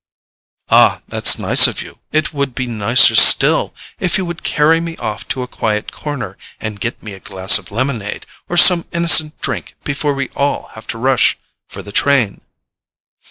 "Ah, that's nice of you; and it would be nicer still if you would carry me off to a quiet corner, and get me a glass of lemonade or some innocent drink before we all have to rush for the train."